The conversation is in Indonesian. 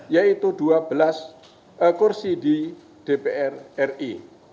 yaitu dua belas kursi di dprri